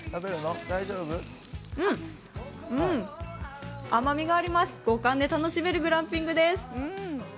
うん甘みがあります、五感で楽しめるグランピングです。